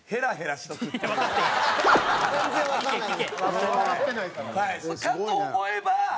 はい。